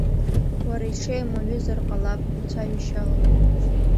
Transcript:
Уара иҽеим уаҩызар ҟалап, уцәажәашьала.